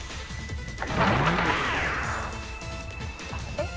えっ？